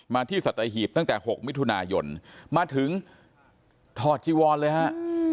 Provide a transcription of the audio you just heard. ที่สัตหีบตั้งแต่๖มิถุนายนมาถึงถอดจีวอนเลยฮะ